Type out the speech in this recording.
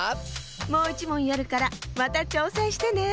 もういちもんやるからまたちょうせんしてね。